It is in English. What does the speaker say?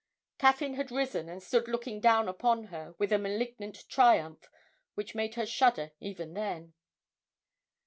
Caffyn had risen, and stood looking down upon her with a malignant triumph which made her shudder even then.